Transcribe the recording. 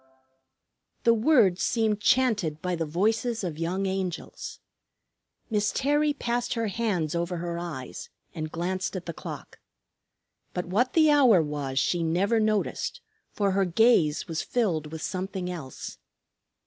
The words seemed chanted by the voices of young angels. Miss Terry passed her hands over her eyes and glanced at the clock. But what the hour was she never noticed, for her gaze was filled with something else.